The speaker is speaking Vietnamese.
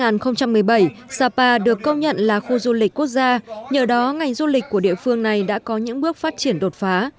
năm hai nghìn một mươi bảy sapa được công nhận là khu du lịch quốc gia nhờ đó ngành du lịch của địa phương này đã có những bước phát triển đột phá